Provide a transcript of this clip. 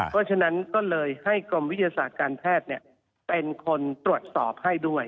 เพราะฉะนั้นก็เลยให้กรมวิทยาศาสตร์การแพทย์เป็นคนตรวจสอบให้ด้วย